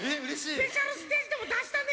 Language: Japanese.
スペシャルステージでもだしたね！